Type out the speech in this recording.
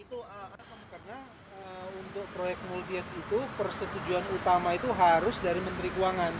untuk proyek multies itu persetujuan utama itu harus dari menteri keuangan